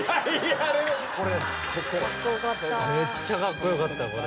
めっちゃカッコよかった。